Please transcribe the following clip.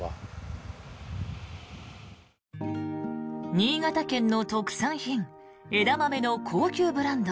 新潟県の特産品枝豆の高級ブランド